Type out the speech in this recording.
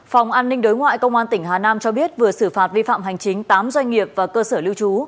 phòng an ninh đối ngoại công an tỉnh hà nam cho biết vừa xử phạt vi phạm hành chính tám doanh nghiệp và cơ sở lưu trú